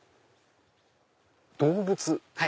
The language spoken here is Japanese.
動物。